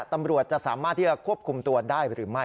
ตำรวจจะสามารถที่จะควบคุมตัวได้หรือไม่